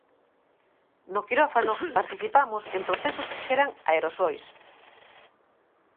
No quirófano participamos en procesos que xeran aerosois.